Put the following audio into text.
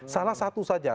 salah satu saja